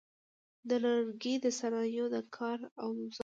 د لرګي د صنایعو د کار اوزار: